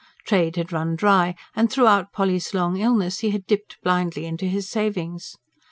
Trade had run dry, and throughout Polly's long illness he had dipped blindly into his savings.